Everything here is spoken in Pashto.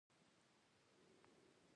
خو دومره ده چې ستاسو ورته پام نه وي.